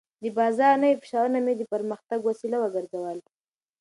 د بازار نوي فشارونه مې د پرمختګ وسیله وګرځول.